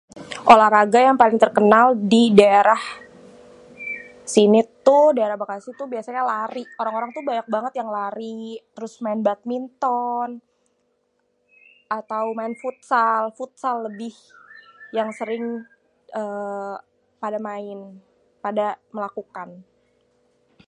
olahraga yang paling terkenal di daerah, sini tuh daerah bekasi tuh biasanya lari orang-orang tuh banyak banget yang lari, terus main badminton, atau main futsal, futsal lebih yang sering ééé pada main, pada melakukan.